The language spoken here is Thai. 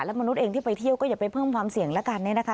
มนุษย์เองที่ไปเที่ยวก็อย่าไปเพิ่มความเสี่ยงแล้วกันเนี่ยนะคะ